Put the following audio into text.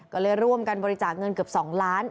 ก็เลยร่วมกันบริจาคเงินเกือบ๒ล้าน